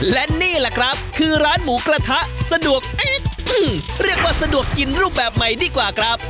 และนี่แหละครับคือร้านหมูกระทะสะดวกเอ๊ะเรียกว่าสะดวกกินรูปแบบใหม่ดีกว่าครับ